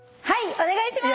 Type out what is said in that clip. お願いしまーす！